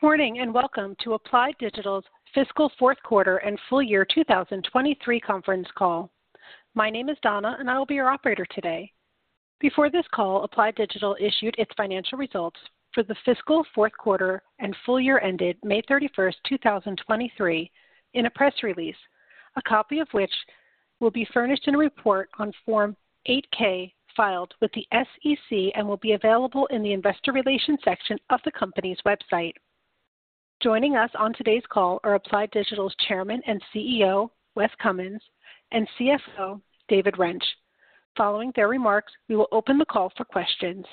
Good morning, and welcome to Applied Digital's Fiscal Fourth Quarter and Full Year 2023 conference call. My name is Donna, and I will be your operator today. Before this call, Applied Digital issued its financial results for the fiscal fourth quarter and full year ended May 31st, 2023, in a press release, a copy of which will be furnished in a report on Form 8-K filed with the SEC and will be available in the Investor Relations section of the company's website. Joining us on today's call are Applied Digital's Chairman and CEO, Wes Cummins, and CFO, David Rench. Following their remarks, we will open the call for questions.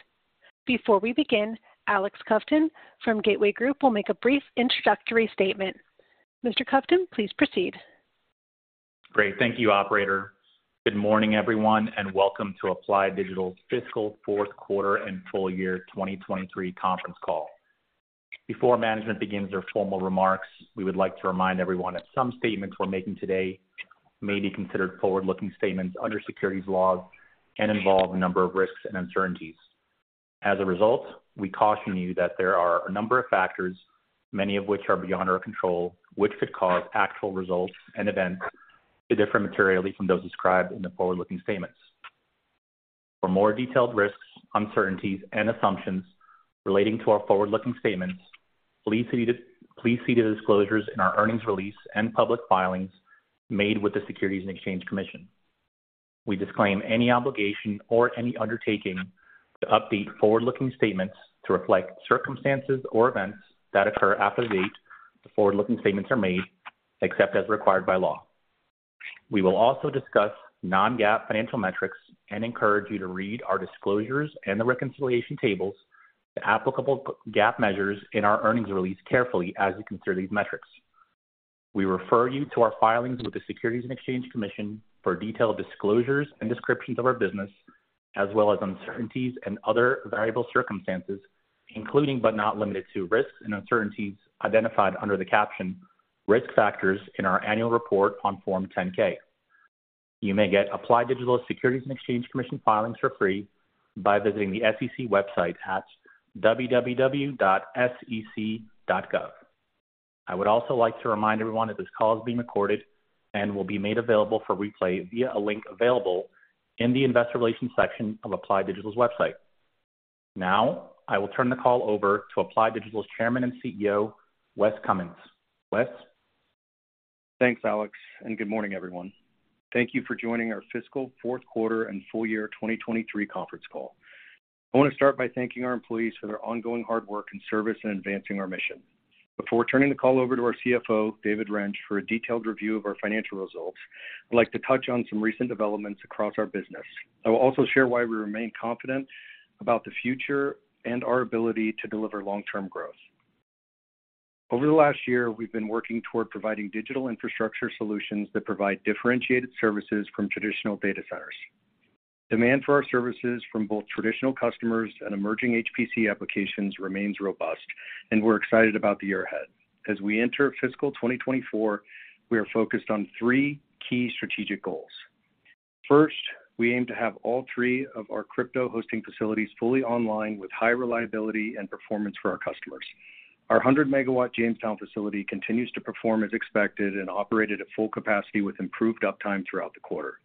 Before we begin, Alex Kovtun from Gateway Group will make a brief introductory statement. Mr. Kovtun, please proceed. Great. Thank you, operator. Good morning, everyone, welcome to Applied Digital's Fiscal Fourth Quarter and Full Year 2023 conference call. Before management begins their formal remarks, we would like to remind everyone that some statements we're making today may be considered forward-looking statements under securities laws and involve a number of risks and uncertainties. As a result, we caution you that there are a number of factors, many of which are beyond our control, which could cause actual results and events to differ materially from those described in the forward-looking statements. For more detailed risks, uncertainties, and assumptions relating to our forward-looking statements, please see the disclosures in our earnings release and public filings made with the Securities and Exchange Commission. We disclaim any obligation or any undertaking to update forward-looking statements to reflect circumstances or events that occur after the date the forward-looking statements are made, except as required by law. We will also discuss non-GAAP financial metrics and encourage you to read our disclosures and the reconciliation tables to applicable GAAP measures in our earnings release carefully as we consider these metrics. We refer you to our filings with the Securities and Exchange Commission for detailed disclosures and descriptions of our business, as well as uncertainties and other variable circumstances, including, but not limited to, risks and uncertainties identified under the caption Risk Factors in our annual report on Form 10-K. You may get Applied Digital Securities and Exchange Commission filings for free by visiting the SEC website at www.sec.gov. I would also like to remind everyone that this call is being recorded and will be made available for replay via a link available in the Investor Relations section of Applied Digital's website. I will turn the call over to Applied Digital's Chairman and CEO, Wes Cummins. Wes? Thanks, Alex, good morning, everyone. Thank you for joining our fiscal fourth quarter and full year 2023 conference call. I want to start by thanking our employees for their ongoing hard work and service in advancing our mission. Before turning the call over to our CFO, David Rench, for a detailed review of our financial results, I'd like to touch on some recent developments across our business. I will also share why we remain confident about the future and our ability to deliver long-term growth. Over the last year, we've been working toward providing digital infrastructure solutions that provide differentiated services from traditional data centers. Demand for our services from both traditional customers and emerging HPC applications remains robust, and we're excited about the year ahead. As we enter fiscal 2024, we are focused on three key strategic goals. First, we aim to have all three of our crypto hosting facilities fully online, with high reliability and performance for our customers. Our 100-megawatt Jamestown facility continues to perform as expected and operated at full capacity with improved uptime throughout the quarter.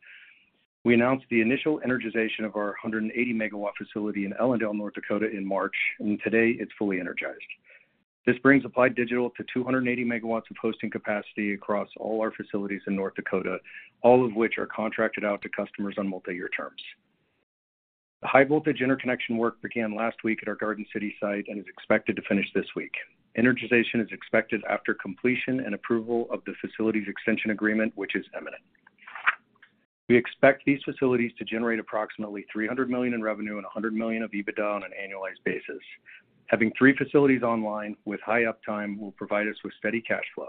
We announced the initial energization of our 180-megawatt facility in Ellendale, North Dakota, in March. Today it's fully energized. This brings Applied Digital to 280 megawatts of hosting capacity across all our facilities in North Dakota, all of which are contracted out to customers on multi-year terms. The high-voltage interconnection work began last week at our Garden City site. It is expected to finish this week. Energization is expected after completion and approval of the facilities extension agreement, which is imminent. We expect these facilities to generate approximately $300 million in revenue and $100 million of EBITDA on an annualized basis. Having three facilities online with high uptime will provide us with steady cash flow.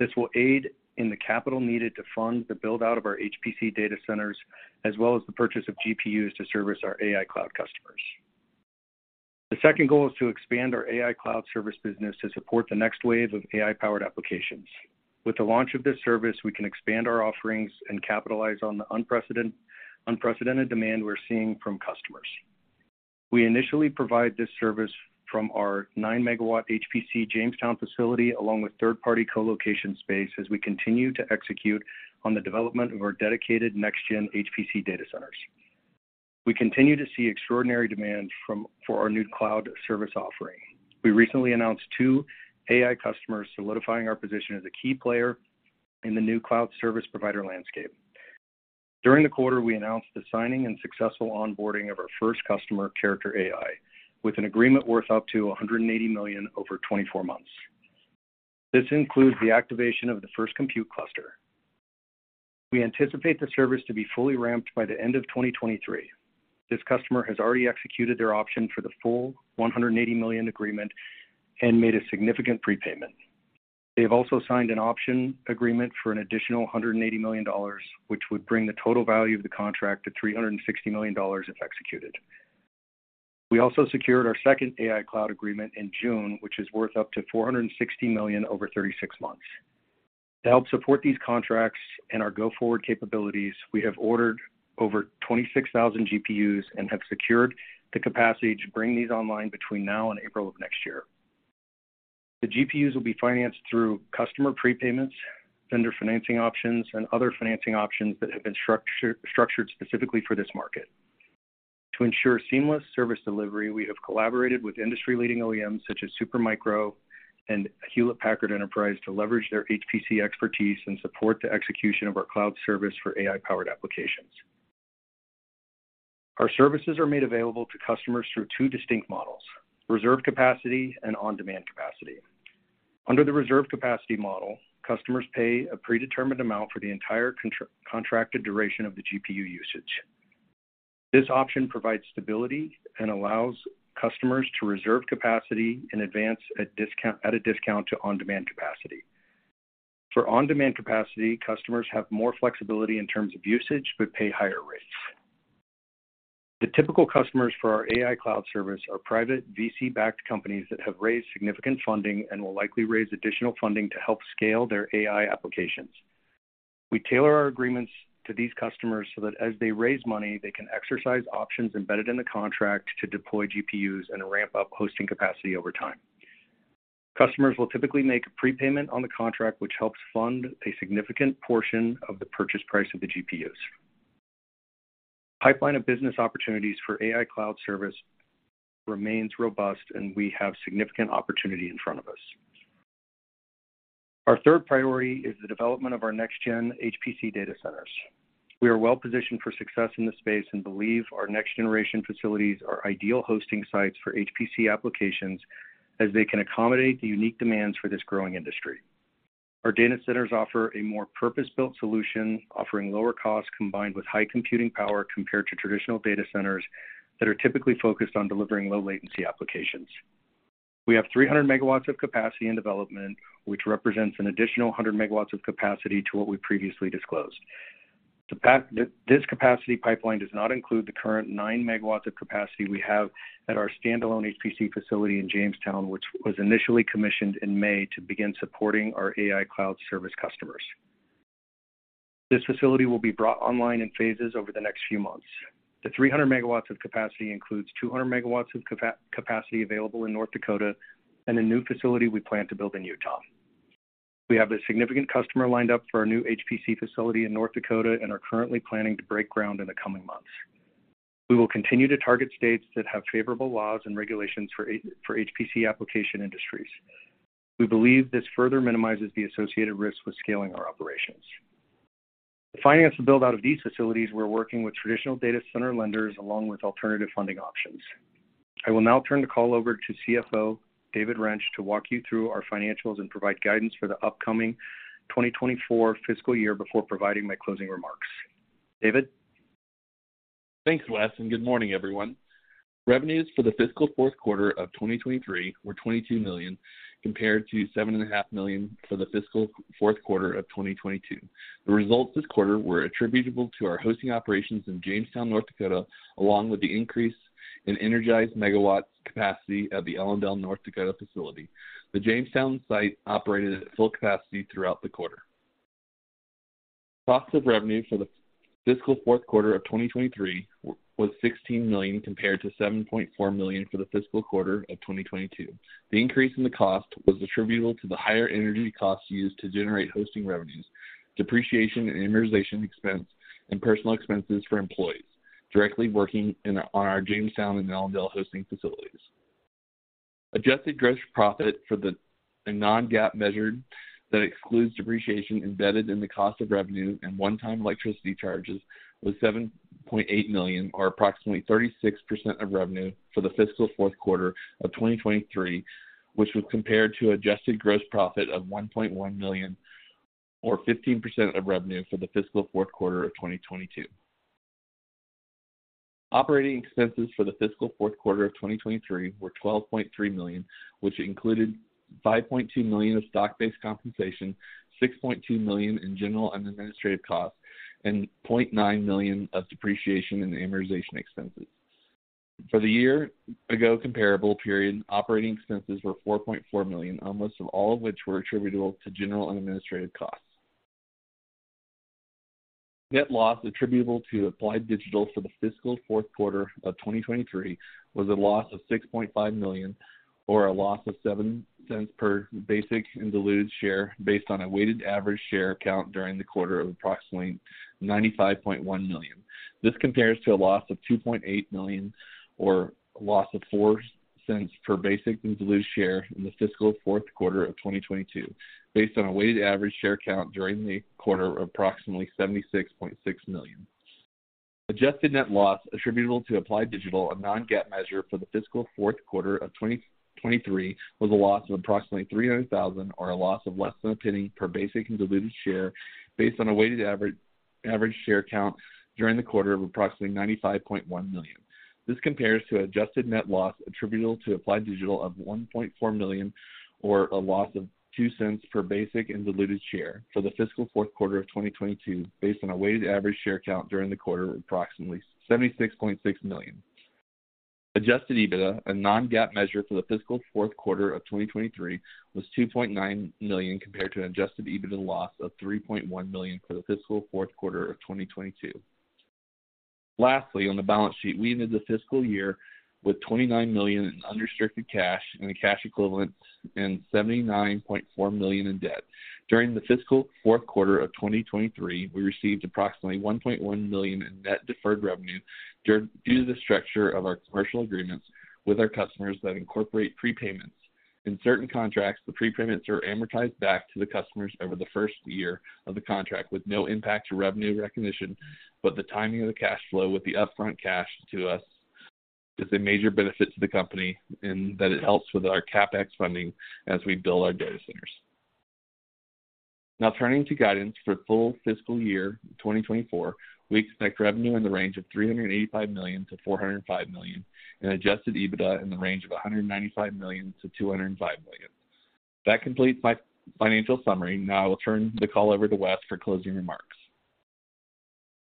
This will aid in the capital needed to fund the build-out of our HPC data centers, as well as the purchase of GPUs to service our AI cloud customers. The second goal is to expand our AI cloud service business to support the next wave of AI-powered applications. With the launch of this service, we can expand our offerings and capitalize on the unprecedented demand we're seeing from customers. We initially provide this service from our 9-megawatt HPC Jamestown facility, along with third-party colocation space, as we continue to execute on the development of our dedicated next-gen HPC data centers. We continue to see extraordinary demand for our new cloud service offering. We recently announced two AI customers, solidifying our position as a key player in the new cloud service provider landscape. During the quarter, we announced the signing and successful onboarding of our first customer, Character.AI, with an agreement worth up to $180 million over 24 months. This includes the activation of the first compute cluster. We anticipate the service to be fully ramped by the end of 2023. This customer has already executed their option for the full $180 million agreement and made a significant prepayment. They have also signed an option agreement for an additional $180 million, which would bring the total value of the contract to $360 million if executed. We also secured our second AI cloud agreement in June, which is worth up to $460 million over 36 months.... To help support these contracts and our go-forward capabilities, we have ordered over 26,000 GPUs and have secured the capacity to bring these online between now and April of next year. The GPUs will be financed through customer prepayments, vendor financing options, and other financing options that have been structured specifically for this market. To ensure seamless service delivery, we have collaborated with industry-leading OEMs such as Supermicro and Hewlett Packard Enterprise to leverage their HPC expertise and support the execution of our cloud service for AI-powered applications. Our services are made available to customers through two distinct models, reserved capacity and on-demand capacity. Under the reserved capacity model, customers pay a predetermined amount for the entire contracted duration of the GPU usage. This option provides stability and allows customers to reserve capacity in advance at a discount to on-demand capacity. For on-demand capacity, customers have more flexibility in terms of usage, but pay higher rates. The typical customers for our AI cloud service are private VC-backed companies that have raised significant funding and will likely raise additional funding to help scale their AI applications. We tailor our agreements to these customers so that as they raise money, they can exercise options embedded in the contract to deploy GPUs and ramp up hosting capacity over time. Customers will typically make a prepayment on the contract, which helps fund a significant portion of the purchase price of the GPUs. Pipeline of business opportunities for AI cloud service remains robust, and we have significant opportunity in front of us. Our third priority is the development of our next-gen HPC data centers. We are well positioned for success in this space and believe our next-generation facilities are ideal hosting sites for HPC applications, as they can accommodate the unique demands for this growing industry. Our data centers offer a more purpose-built solution, offering lower costs combined with high computing power compared to traditional data centers that are typically focused on delivering low latency applications. We have 300 megawatts of capacity in development, which represents an additional 100 megawatts of capacity to what we previously disclosed. This capacity pipeline does not include the current 9 megawatts of capacity we have at our standalone HPC facility in Jamestown, which was initially commissioned in May to begin supporting our AI cloud service customers. This facility will be brought online in phases over the next few months. The 300 megawatts of capacity includes 200 megawatts of capacity available in North Dakota and a new facility we plan to build in Utah. We have a significant customer lined up for our new HPC facility in North Dakota and are currently planning to break ground in the coming months. We will continue to target states that have favorable laws and regulations for HPC application industries. We believe this further minimizes the associated risks with scaling our operations. To finance the build-out of these facilities, we're working with traditional data center lenders along with alternative funding options. I will now turn the call over to CFO, David Rench, to walk you through our financials and provide guidance for the upcoming 2024 fiscal year before providing my closing remarks. David? Thanks, Wes. Good morning, everyone. Revenues for the fiscal fourth quarter of 2023 were $22 million, compared to seven and a half million for the fiscal fourth quarter of 2022. The results this quarter were attributable to our hosting operations in Jamestown, North Dakota, along with the increase in energized megawatts capacity at the Ellendale, North Dakota, facility. The Jamestown site operated at full capacity throughout the quarter. Cost of revenue for the fiscal fourth quarter of 2023 was $16 million, compared to $7.4 million for the fiscal quarter of 2022. The increase in the cost was attributable to the higher energy costs used to generate hosting revenues, depreciation and amortization expense, and personal expenses for employees directly working in, on our Jamestown and Ellendale hosting facilities. Adjusted gross profit for the, a non-GAAP measure that excludes depreciation embedded in the cost of revenue and one-time electricity charges, was $7.8 million, or approximately 36% of revenue for the fiscal fourth quarter of 2023, which was compared to adjusted gross profit of $1.1 million, or 15% of revenue for the fiscal fourth quarter of 2022. Operating expenses for the fiscal fourth quarter of 2023 were $12.3 million, which included $5.2 million of stock-based compensation, $6.2 million in general and administrative costs, and $0.9 million of depreciation and amortization expenses. For the year ago comparable period, operating expenses were $4.4 million, almost all of which were attributable to general and administrative costs. Net loss attributable to Applied Digital for the fiscal fourth quarter of 2023 was a loss of $6.5 million, or a loss of $0.07 per basic and diluted share, based on a weighted average share count during the quarter of approximately 95.1 million. This compares to a loss of $2.8 million, or a loss of $0.04 per basic and diluted share in the fiscal fourth quarter of 2022, based on a weighted average share count during the quarter of approximately 76.6 million. Adjusted net loss attributable to Applied Digital, a non-GAAP measure for the fiscal fourth quarter of 2023, was a loss of approximately $300,000 or a loss of less than a penny per basic and diluted share, based on a weighted average share count during the quarter of approximately 95.1 million. This compares to adjusted net loss attributable to Applied Digital of $1.4 million, or a loss of $0.02 per basic and diluted share for the fiscal fourth quarter of 2022, based on a weighted average share count during the quarter of approximately 76.6 million. Adjusted EBITDA, a non-GAAP measure for the fiscal fourth quarter of 2023, was $2.9 million compared to an adjusted EBITDA loss of $3.1 million for the fiscal fourth quarter of 2022. Lastly, on the balance sheet, we ended the fiscal year with $29 million in unrestricted cash and cash equivalents and $79.4 million in debt. During the fiscal fourth quarter of 2023, we received approximately $1.1 million in net deferred revenue due to the structure of our commercial agreements with our customers that incorporate prepayments. In certain contracts, the prepayments are amortized back to the customers over the first year of the contract with no impact to revenue recognition. The timing of the cash flow with the upfront cash to us is a major benefit to the company in that it helps with our CapEx funding as we build our data centers. Turning to guidance for full fiscal year 2024, we expect revenue in the range of $385 million-$405 million and adjusted EBITDA in the range of $195 million-$205 million. That completes my financial summary. I will turn the call over to Wes for closing remarks.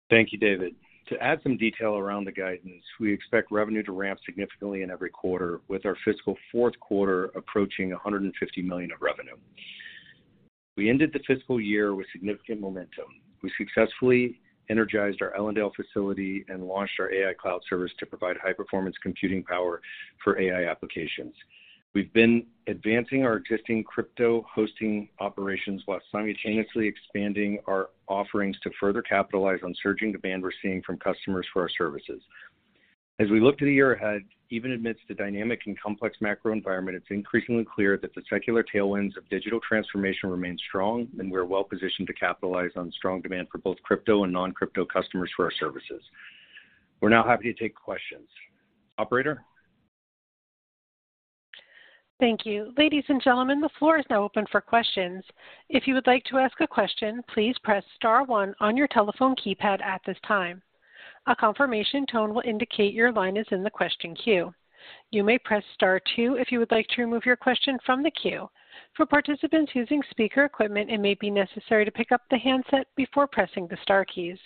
Thank you, David. To add some detail around the guidance, we expect revenue to ramp significantly in every quarter, with our fiscal fourth quarter approaching $150 million of revenue. We ended the fiscal year with significant momentum. We successfully energized our Ellendale facility and launched our AI cloud service to provide high-performance computing power for AI applications. We've been advancing our existing crypto hosting operations while simultaneously expanding our offerings to further capitalize on surging demand we're seeing from customers for our services. As we look to the year ahead, even amidst a dynamic and complex macro environment, it's increasingly clear that the secular tailwinds of digital transformation remain strong. We're well positioned to capitalize on strong demand for both crypto and non-crypto customers for our services. We're now happy to take questions. Operator? Thank you. Ladies and gentlemen, the floor is now open for questions. If you would like to ask a question, please press star one on your telephone keypad at this time. A confirmation tone will indicate your line is in the question queue. You may press star two if you would like to remove your question from the queue. For participants using speaker equipment, it may be necessary to pick up the handset before pressing the star keys.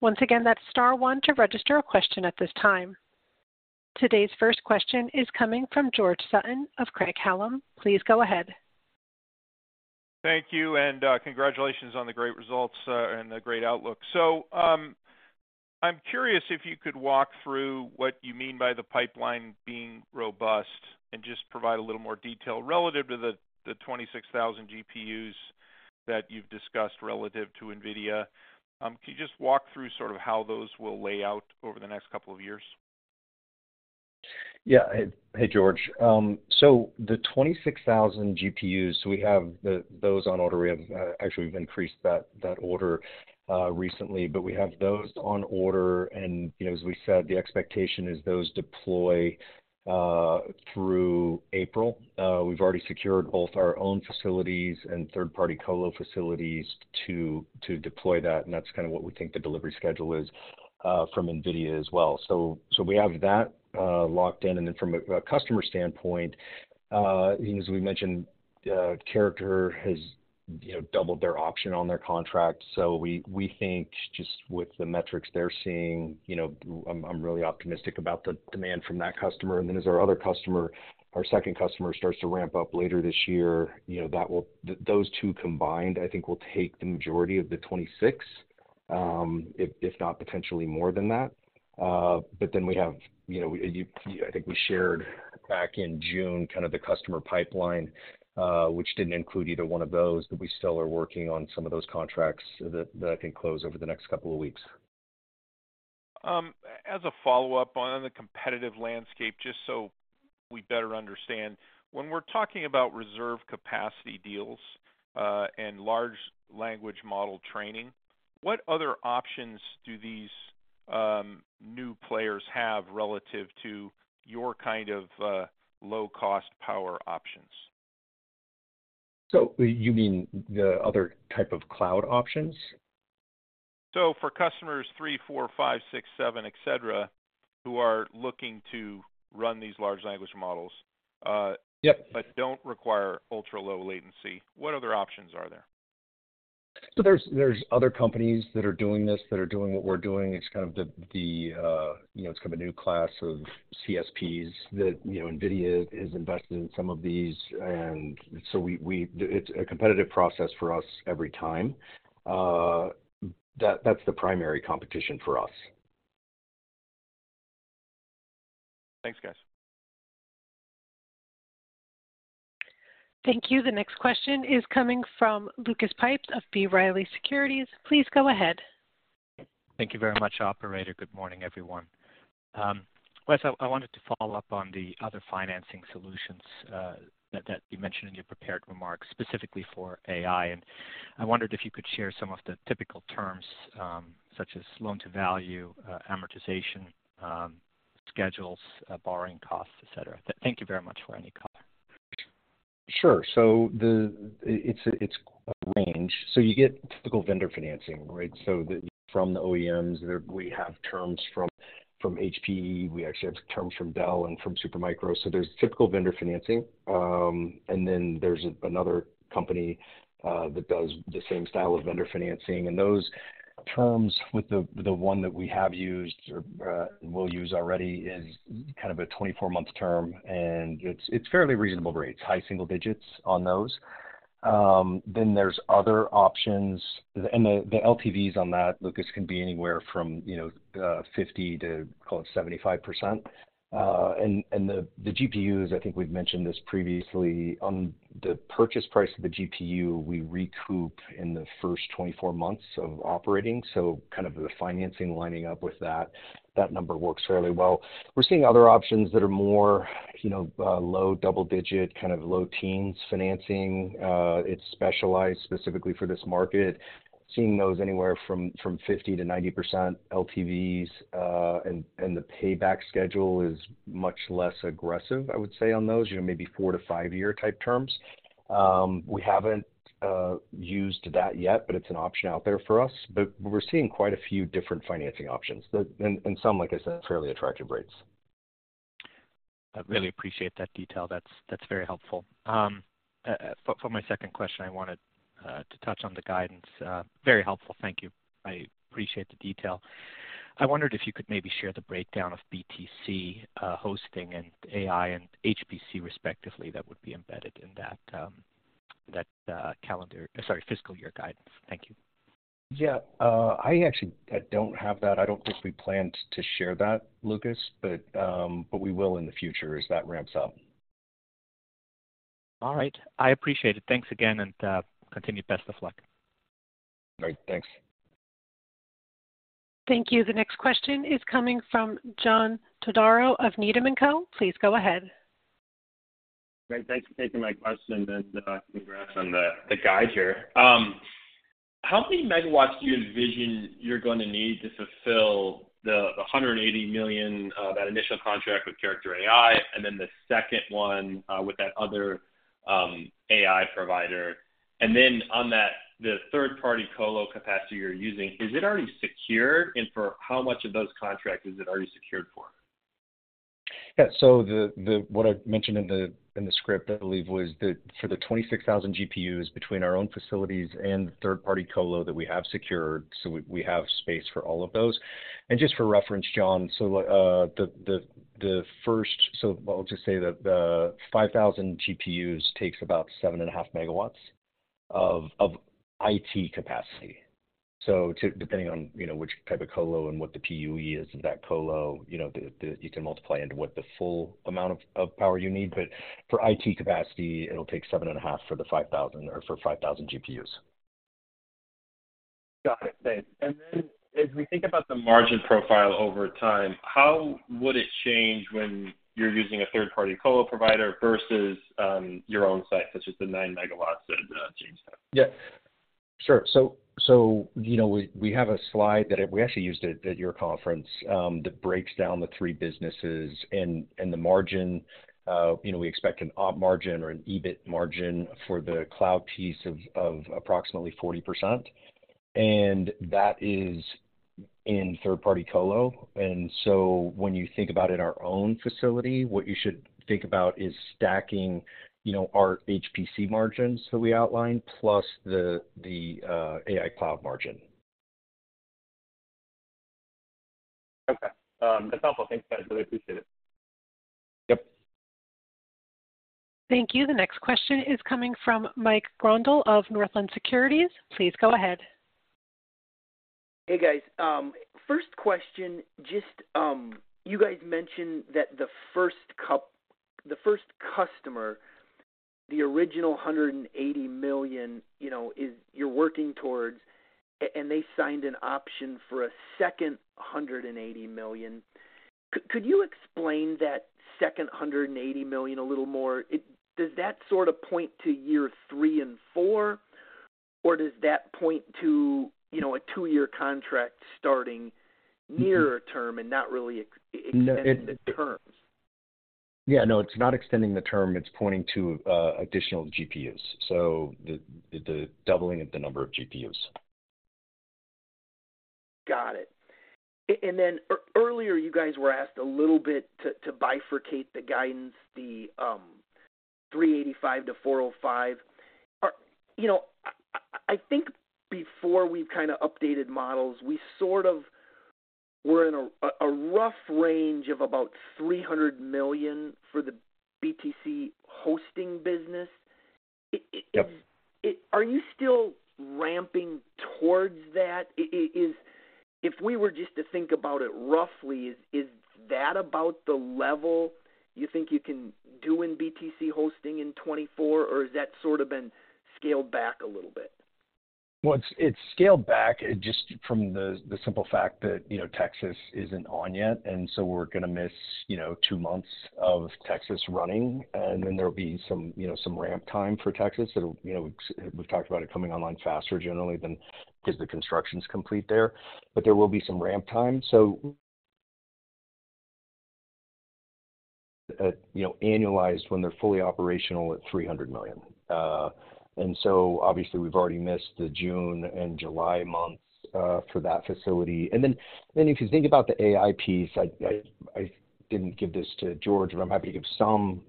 Once again, that's star one to register a question at this time. Today's first question is coming from George Sutton of Craig-Hallum. Please go ahead. Thank you, and congratulations on the great results, and the great outlook. I'm curious if you could walk through what you mean by the pipeline being robust and just provide a little more detail relative to the 26,000 GPUs that you've discussed relative to NVIDIA. Can you just walk through sort of how those will lay out over the next couple of years? Yeah. Hey, George. The 26,000 GPUs, we have those on order. We have, actually, we've increased that order recently, but we have those on order, and, you know, as we said, the expectation is those deploy through April. We've already secured both our own facilities and third-party colo facilities to deploy that, and that's kind of what we think the delivery schedule is from NVIDIA as well. We have that locked in. From a customer standpoint, as we mentioned, Character has, you know, doubled their option on their contract. We think just with the metrics they're seeing, you know, I'm really optimistic about the demand from that customer. As our other customer, our second customer, starts to ramp up later this year, you know, those two combined, I think, will take the majority of the 26, if not potentially more than that. We have, you know, I think we shared back in June, kind of the customer pipeline, which didn't include either one of those, but we still are working on some of those contracts that I think close over the next couple of weeks. As a follow-up on the competitive landscape, just so we better understand, when we're talking about reserve capacity deals, and large language model training, what other options do these new players have relative to your kind of low-cost power options? You mean the other type of cloud options? For customers three, four, five, six, seven, et cetera, who are looking to run these large language models. Yep. Don't require ultra-low latency, what other options are there? There's other companies that are doing this, that are doing what we're doing. It's kind of the, you know, it's kind of a new class of CSPs that, you know, NVIDIA is invested in some of these, and so we, it's a competitive process for us every time. That's the primary competition for us. Thanks, guys. Thank you. The next question is coming from Lucas Pipes of B. Riley Securities. Please go ahead. Thank you very much, operator. Good morning, everyone. Wes, I wanted to follow up on the other financing solutions that you mentioned in your prepared remarks, specifically for AI. I wondered if you could share some of the typical terms, such as loan-to-value, amortization, schedules, borrowing costs, et cetera. Thank you very much for any color. Sure. It's a range. You get typical vendor financing, right? From the OEMs, we have terms from HPE, we actually have terms from Dell and from Supermicro. There's typical vendor financing, and then there's another company that does the same style of vendor financing, and those terms with the one that we have used or we'll use already is kind of a 24-month term, and it's fairly reasonable rates, high single digits on those. There's other options, and the LTVs on that, Lucas, can be anywhere from, you know, 50% to, call it, 75%. The GPUs, I think we've mentioned this previously, on the purchase price of the GPU, we recoup in the first 24 months of operating, kind of the financing lining up with that number works fairly well. We're seeing other options that are more, you know, low double digit, kind of low teens financing. It's specialized specifically for this market, seeing those anywhere from 50%-90% LTVs, and the payback schedule is much less aggressive, I would say, on those, you know, maybe 4- to 5-year type terms. We haven't used that yet, it's an option out there for us. We're seeing quite a few different financing options, and some, like I said, fairly attractive rates. I really appreciate that detail. That's very helpful. For my second question, I wanted to touch on the guidance. Very helpful. Thank you. I appreciate the detail. I wondered if you could maybe share the breakdown of BTC hosting and AI and HPC, respectively, that would be embedded in that calendar... Sorry, fiscal year guidance. Thank you. Yeah, I actually, I don't have that. I don't think we planned to share that, Lucas, but we will in the future as that ramps up. All right. I appreciate it. Thanks again, and continued best of luck. Great. Thanks. Thank you. The next question is coming from John Todaro of Needham & Company. Please go ahead. Great. Thanks for taking my question, and congrats on the guide here. How many megawatts do you envision you're going to need to fulfill the $180 million that initial contract with Character.AI, and then the second one with that other AI provider? Then on that, the third-party colo capacity you're using, is it already secured? For how much of those contracts is it already secured for? Yeah. What I mentioned in the script, I believe, was that for the 26,000 GPUs between our own facilities and third-party colo that we have secured, we have space for all of those. Just for reference, John, I'll just say that the 5,000 GPUs takes about 7 and a half megawatts of IT capacity. Depending on, you know, which type of colo and what the PUE is in that colo, you know, you can multiply into what the full amount of power you need, but for IT capacity, it'll take 7 and a half for the 5,000 or for 5,000 GPUs. Got it. Thanks. As we think about the margin profile over time, how would it change when you're using a third-party colo provider versus your own site, such as the 9 megawatts that Jamestown? Sure. You know, we have a slide that we actually used at your conference, that breaks down the three businesses and the margin. You know, we expect an op margin or an EBIT margin for the cloud piece of approximately 40%, and that is in third-party colo. When you think about it, in our own facility, what you should think about is stacking, you know, our HPC margins that we outlined, plus the AI cloud margin. Okay. That's helpful. Thanks, guys. I really appreciate it. Yep. Thank you. The next question is coming from Mike Grondahl of Northland Securities. Please go ahead. Hey, guys. First question, just, you guys mentioned that the first customer, the original $180 million, you know, you're working towards, and they signed an option for a second $180 million. Could you explain that second $180 million a little more? Does that sort of point to year 3 and 4, or does that point to, you know, a 2-year contract starting nearer term and not really extending the terms? Yeah. No, it's not extending the term. It's pointing to additional GPUs, so the doubling of the number of GPUs. Got it. Earlier, you guys were asked a little bit to bifurcate the guidance, the $385 million-$405 million. You know, I think before we've kind of updated models, we sort of were in a rough range of about $300 million for the BTC hosting business. Yep. Are you still ramping towards that? If we were just to think about it roughly, is that about the level you think you can do in BTC hosting in 2024, or has that sort of been scaled back a little bit? Well, it's scaled back just from the simple fact that, you know, Texas isn't on yet. We're gonna miss, you know, two months of Texas running. There'll be some, you know, some ramp time for Texas. It'll, you know, we've talked about it coming online faster generally than because the construction's complete there. There will be some ramp time. You know, annualized when they're fully operational at $300 million. Obviously, we've already missed the June and July months for that facility. If you think about the AI piece, I didn't give this to George, but I'm happy to give some.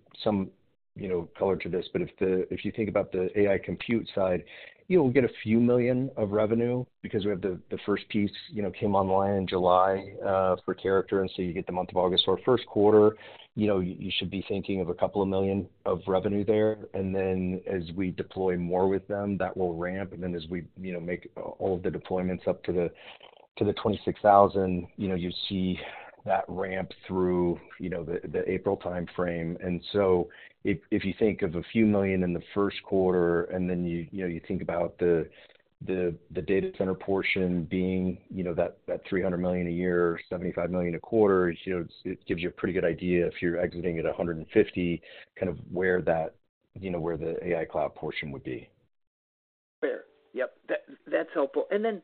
you know, color to this, but if you think about the AI compute side, you know, we'll get a few million of revenue because we have the first piece, you know, came online in July for Character. You get the month of August. Our first quarter, you know, you should be thinking of a couple of million of revenue there, and then as we deploy more with them, that will ramp, and then as we, you know, make all of the deployments up to the 26,000, you know, you see that ramp through, you know, the April time frame. If you think of a few million in the first quarter, and then you know, you think about the data center portion being, you know, that $300 million a year, $75 million a quarter, you know, it gives you a pretty good idea if you're exiting at $150, kind of where that, you know, where the AI cloud portion would be. Fair. Yep, that's helpful. Then,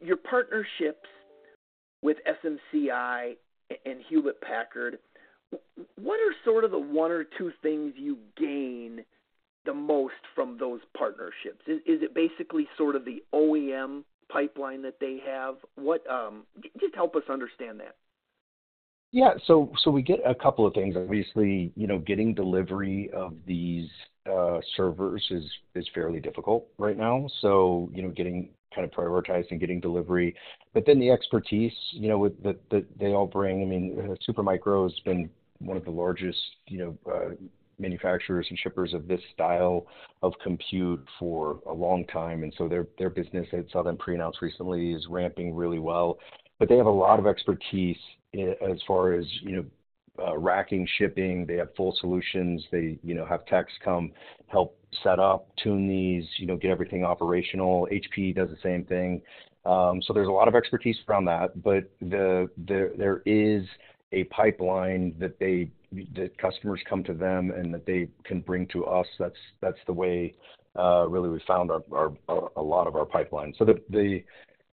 your partnerships with SMCI and Hewlett Packard, what are sort of the one or two things you gain the most from those partnerships? Is it basically sort of the OEM pipeline that they have? What? Just help us understand that. We get a couple of things. Obviously, you know, getting delivery of these servers is fairly difficult right now. You know, getting kind of prioritized and getting delivery. The expertise, you know, that they all bring. I mean, Supermicro has been one of the largest, you know, manufacturers and shippers of this style of compute for a long time, their business, I saw them pre-announce recently, is ramping really well. They have a lot of expertise as far as, you know, racking, shipping. They have full solutions. They, you know, have techs come help set up, tune these, you know, get everything operational. HP does the same thing. There's a lot of expertise around that, but there is a pipeline that customers come to them and that they can bring to us. That's the way really we found our a lot of our pipeline.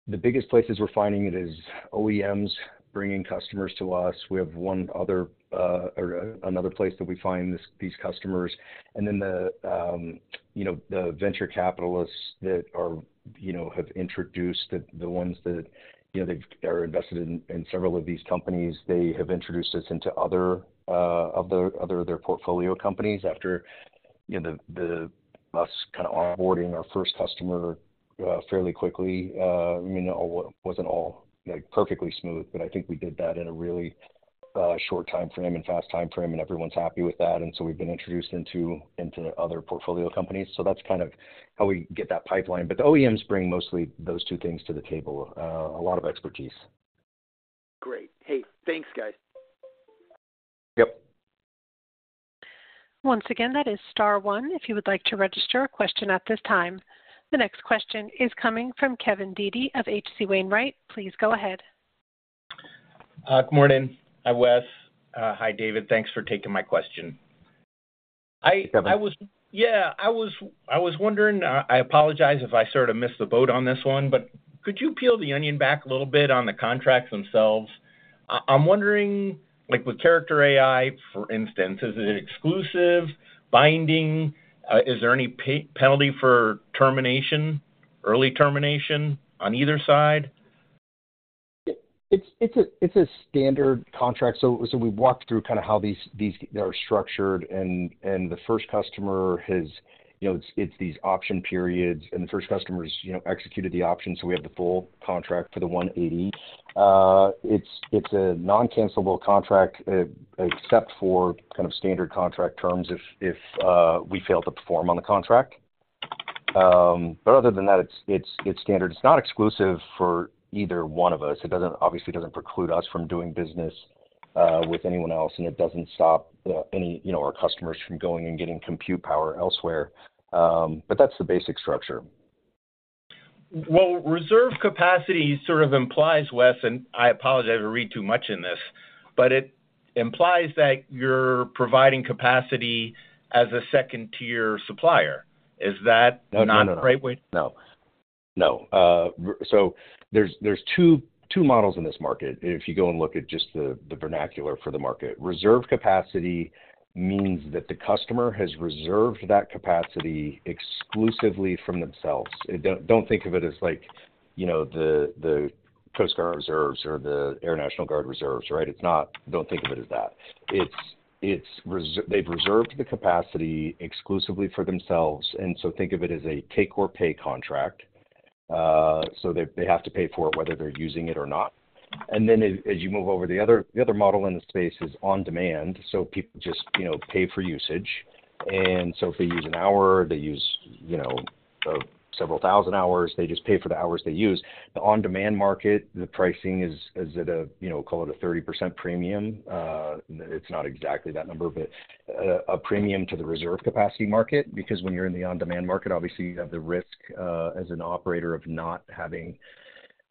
The biggest places we're finding it is OEMs bringing customers to us. We have one other or another place that we find these customers, and then the, you know, the venture capitalists that are, you know, have introduced the ones that, you know, they're invested in several of these companies. They have introduced us into other of their portfolio companies after, you know, us kind of onboarding our first customer fairly quickly. I mean, it wasn't all, like, perfectly smooth, but I think we did that in a really short time frame and fast time frame, and everyone's happy with that. We've been introduced into other portfolio companies. That's kind of how we get that pipeline. The OEMs bring mostly those two things to the table, a lot of expertise. Great. Hey, thanks, guys. Yep. Once again, that is star one if you would like to register a question at this time. The next question is coming from Kevin Dede of H.C. Wainwright & Co. Please go ahead. Good morning. Hi, Wes. Hi, David. Thanks for taking my question. Hi, Kevin. Yeah, I was wondering, I apologize if I sort of missed the boat on this one. Could you peel the onion back a little bit on the contracts themselves? I'm wondering, like with Character.AI, for instance, is it exclusive, binding? Is there any penalty for termination, early termination on either side? It's a standard contract. We've walked through kind of how these are structured, and the first customer has, you know, these option periods, and the first customer's, you know, executed the option, so we have the full contract for the 180. It's a non-cancellable contract, except for kind of standard contract terms, if we fail to perform on the contract. Other than that, it's standard. It's not exclusive for either one of us. It doesn't, obviously, doesn't preclude us from doing business with anyone else, and it doesn't stop any, you know, our customers from going and getting compute power elsewhere. That's the basic structure. Reserve capacity sort of implies, Wes, and I apologize if I read too much in this, but it implies that you're providing capacity as a second-tier supplier. Is that not the right way? No, no. There's 2 models in this market. If you go and look at just the vernacular for the market. Reserve capacity means that the customer has reserved that capacity exclusively from themselves. Don't think of it as like, you know, the Coast Guard Reserves or the Air National Guard Reserves, right? It's not. Don't think of it as that. They've reserved the capacity exclusively for themselves, think of it as a take or pay contract. They have to pay for it whether they're using it or not. As you move over, the other model in the space is on demand, so people just, you know, pay for usage. If they use an hour, they use, you know, several thousand hours, they just pay for the hours they use. The on-demand market, the pricing is at a, you know, call it a 30% premium. It's not exactly that number, but a premium to the reserve capacity market, because when you're in the on-demand market, obviously, you have the risk as an operator of not having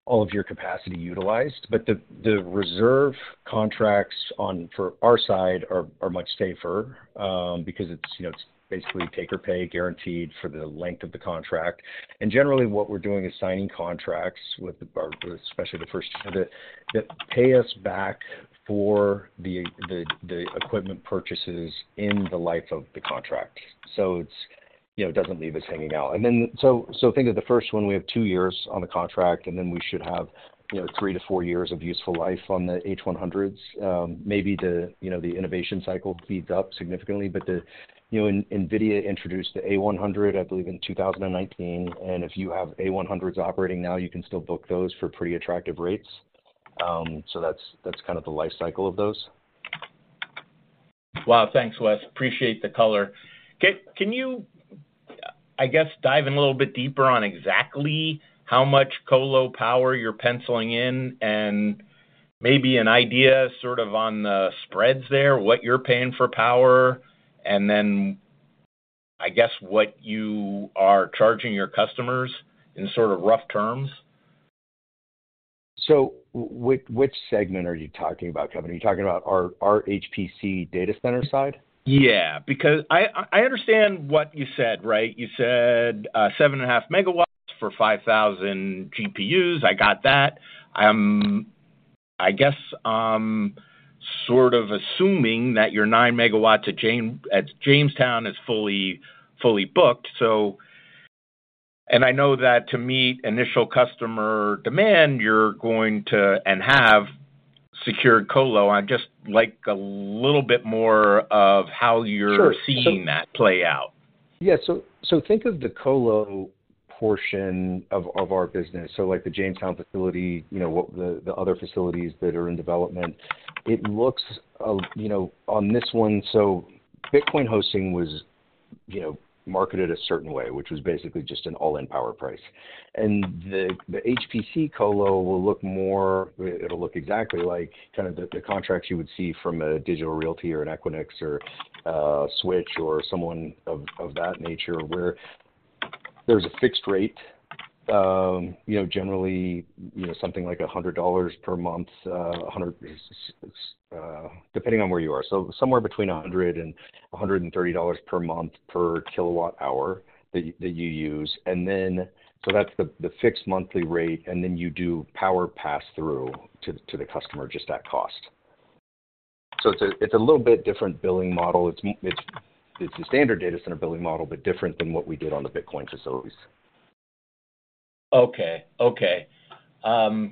all of your capacity utilized. The reserve contracts on, for our side are much safer, because it's, you know, it's basically take or pay, guaranteed for the length of the contract. Generally, what we're doing is signing contracts with the, or especially the first that pay us back for the equipment purchases in the life of the contract. You know, doesn't leave us hanging out. Think of the first one, we have 2 years on the contract, and then we should have, you know, 3 to 4 years of useful life on the H100s. Maybe the, you know, the innovation cycle speeds up significantly. The, you know, NVIDIA introduced the A100, I believe, in 2019, and if you have A100s operating now, you can still book those for pretty attractive rates. That's kind of the life cycle of those. Wow. Thanks, Wes. Appreciate the color. Can you, I guess, dive in a little bit deeper on exactly how much colo power you're penciling in, and maybe an idea sort of on the spreads there, what you're paying for power, and then, I guess, what you are charging your customers in sort of rough terms? Which segment are you talking about, Kevin? Are you talking about our HPC data center side? Yeah, because I understand what you said, right? You said 7.5 megawatts for 5,000 GPUs. I got that. I guess I'm sort of assuming that your 9 megawatts at Jamestown is fully booked, so... I know that to meet initial customer demand, you're going to, and have, secured colo. I'd just like a little bit more of how you're- Sure seeing that play out. Think of the colo portion of our business, so like the Jamestown facility, you know, what the other facilities that are in development, it looks, you know, on this one... Bitcoin hosting was, you know, marketed a certain way, which was basically just an all-in power price. The HPC colo will look exactly like kind of the contracts you would see from a Digital Realty or an Equinix or Switch or someone of that nature, where there's a fixed rate, you know, generally, you know, something like $100 per month, 100, depending on where you are. Somewhere between $100-$130 per month per kilowatt hour that you use. That's the fixed monthly rate, and then you do power pass-through to the customer, just at cost. It's a little bit different billing model. It's a standard data center billing model, but different than what we did on the Bitcoin facilities. Okay. Okay. last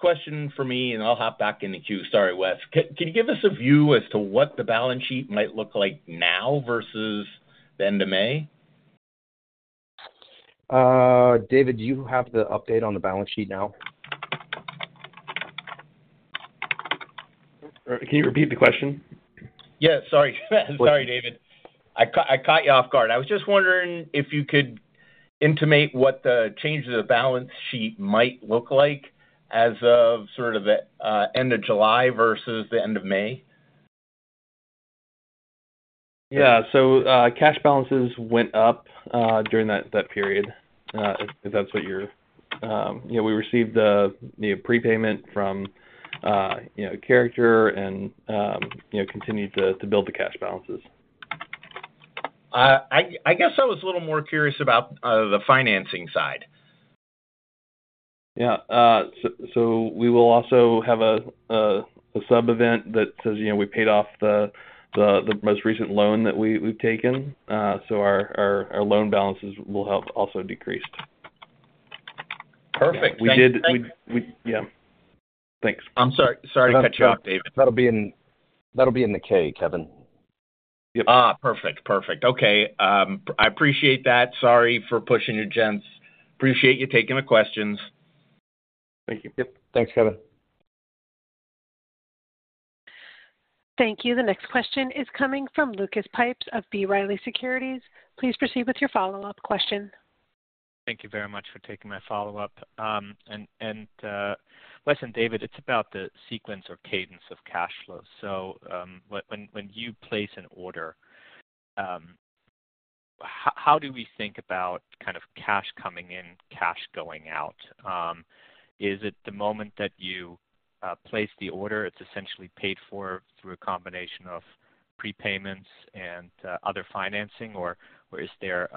question for me, and I'll hop back in the queue. Sorry, Wes. Can you give us a view as to what the balance sheet might look like now versus the end of May? David, do you have the update on the balance sheet now? Can you repeat the question? Yeah, sorry. Sorry, David. I caught you off guard. I was just wondering if you could intimate what the change in the balance sheet might look like as of sort of the end of July versus the end of May. Cash balances went up during that period, if that's what you're. You know, we received the prepayment from, you know, Character and, you know, continued to build the cash balances. I guess I was a little more curious about the financing side. Yeah. We will also have a sub-event that says, you know, we paid off the most recent loan that we've taken. Our loan balances will have also decreased. Perfect. We did- Thanks. Yeah. Thanks. I'm sorry. Sorry to cut you off, David. That'll be in the K, Kevin. Perfect. Perfect. Okay, I appreciate that. Sorry for pushing you, gents. Appreciate you taking the questions. Thank you. Yep. Thanks, Kevin. Thank you. The next question is coming from Lucas Pipes of B. Riley Securities. Please proceed with your follow-up question. Thank you very much for taking my follow-up. Wes and David, it's about the sequence or cadence of cash flow. When you place an order, how do we think about kind of cash coming in, cash going out? Is it the moment that you place the order, it's essentially paid for through a combination of prepayments and other financing, or is there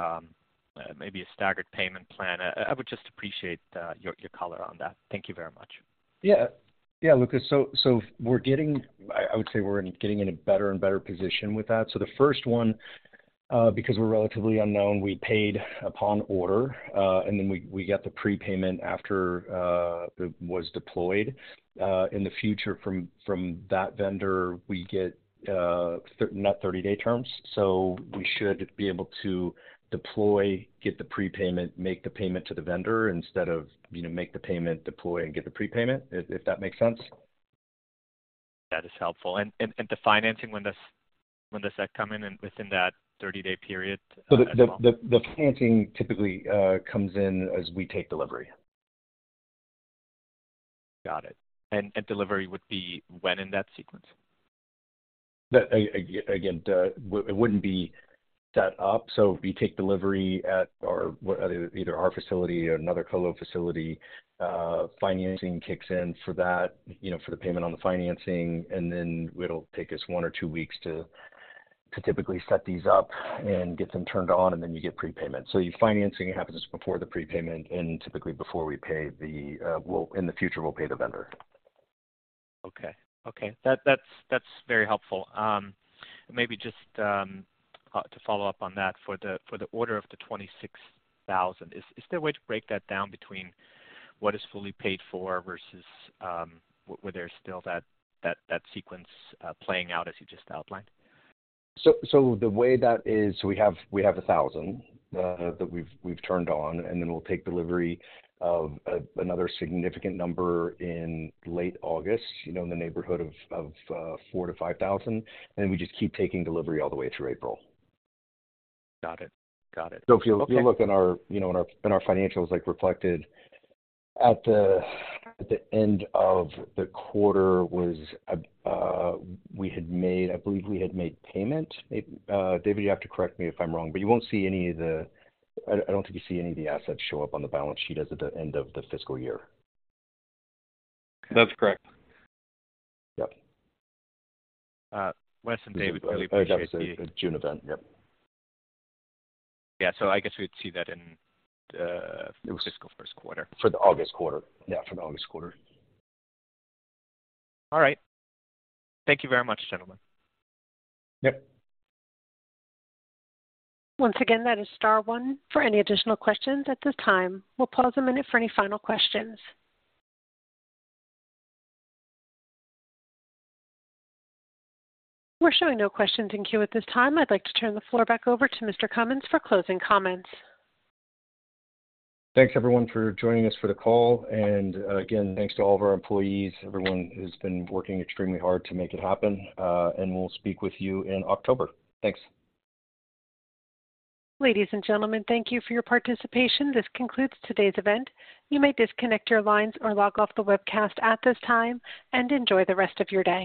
maybe a staggered payment plan? I would just appreciate your color on that. Thank you very much. Yeah, Lucas. I would say we're getting in a better and better position with that. The first one, because we're relatively unknown, we paid upon order, and then we get the prepayment after it was deployed. In the future from that vendor, we get net 30-day terms. We should be able to deploy, get the prepayment, make the payment to the vendor, instead of, you know, make the payment, deploy, and get the prepayment, if that makes sense. That is helpful. The financing, when does that come in within that 30-day period? The financing typically comes in as we take delivery. Got it. Delivery would be when in that sequence? Again, it wouldn't be set up, so we take delivery at either our facility or another colo facility. Financing kicks in for that, you know, for the payment on the financing, and then it'll take us 1 or 2 weeks to typically set these up and get them turned on, and then you get prepayment. Your financing happens before the prepayment and typically before we pay. Well, in the future, we'll pay the vendor. Okay. Okay, that's very helpful. Maybe just to follow up on that, for the order of the 26,000, is there a way to break that down between what is fully paid for versus where there's still that sequence playing out as you just outlined? The way that is, we have 1,000 that we've turned on, and then we'll take delivery of another significant number in late August, you know, in the neighborhood of 4,000-5,000, and we just keep taking delivery all the way through April. Got it. Got it. If you look in our, you know, in our, in our financials, like reflected at the end of the quarter was, I believe we had made payment. David, you have to correct me if I'm wrong, but you won't see any of the. I don't think you see any of the assets show up on the balance sheet as of the end of the fiscal year. That's correct. Yep. Wes and David, really appreciate the. June event. Yep. Yeah. I guess we'd see that in the fiscal first quarter. For the August quarter. Yeah, for the August quarter. All right. Thank you very much, gentlemen. Yep. Once again, that is star one for any additional questions at this time. We'll pause a minute for any final questions. We're showing no questions in queue at this time. I'd like to turn the floor back over to Mr. Cummins for closing comments. Thanks, everyone, for joining us for the call. Again, thanks to all of our employees. Everyone has been working extremely hard to make it happen. We'll speak with you in October. Thanks. Ladies and gentlemen, thank you for your participation. This concludes today's event. You may disconnect your lines or log off the webcast at this time, and enjoy the rest of your day.